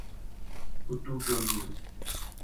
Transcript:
اُتو ٹُر گیو